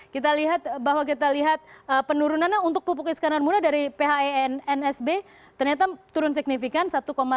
kita lihat bahwa kita lihat penurunannya untuk pupuk iskandar muna dari phe nsb ternyata turun signifikan satu lima puluh empat